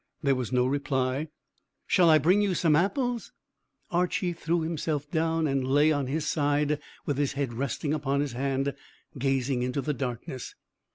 There was no reply. "Shall I bring you some apples?" Archy threw himself down, and lay on his side, with his head resting upon his hand, gazing into the darkness.